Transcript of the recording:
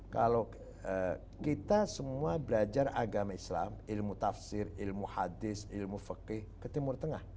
kalau kita semua belajar agama islam ilmu tafsir ilmu hadis ilmu fakih ke timur tengah